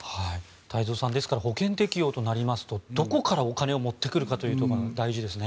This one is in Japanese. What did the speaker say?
太蔵さんですから、保険適用となるとどこからお金を持ってくるかというところが大事ですね。